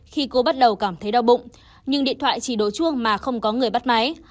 khi cô bắt đầu cảm thấy đau bụng nhưng điện thoại chỉ đồ chuông mà không có người bắt máy